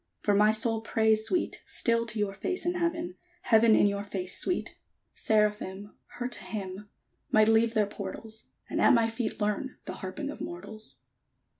For my soul prays, Sweet, Still to your face in Heaven, Heaven in your face, Sweet! _Seraphim, Her to hymn, Might leave their portals; And at my feet learn The harping of mortals!